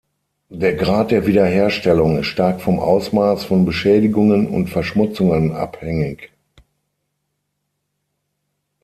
Der Grad der Wiederherstellung ist stark vom Ausmaß von Beschädigungen und Verschmutzungen abhängig.